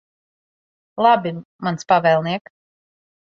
Labi, mans pavēlniek.